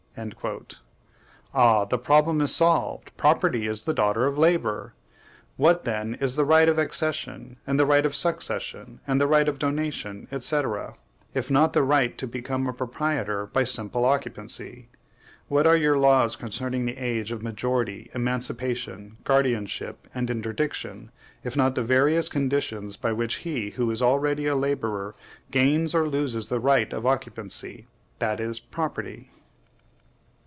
Ah! THE PROBLEM IS SOLVED! PROPERTY IS THE DAUGHTER OF LABOR! What, then, is the right of accession, and the right of succession, and the right of donation, &c., if not the right to become a proprietor by simple occupancy? What are your laws concerning the age of majority, emancipation, guardianship, and interdiction, if not the various conditions by which he who is already a laborer gains or loses the right of occupancy; that is, property?